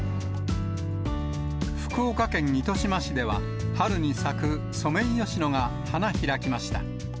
福岡県糸島市では、春に咲くソメイヨシノが花開きました。